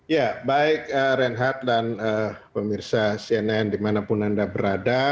ya baik renhat dan pemirsa cnn dimanapun anda berada